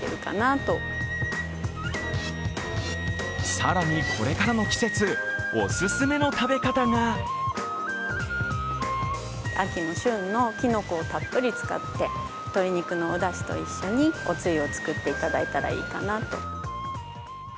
更にこれからの季節おすすめの食べ方が秋の旬のきのこをたっぷり使って、鶏肉のおだしと一緒におつゆを作っていただいたらいいかなと。